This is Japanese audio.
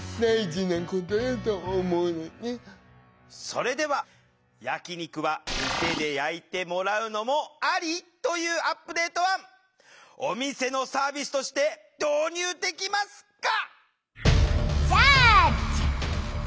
それでは「焼き肉は店で焼いてもらうのもアリ」というアップデート案お店のサービスとして導入できますか？